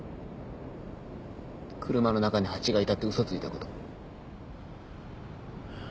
車の中に蜂がいたって嘘ついたこと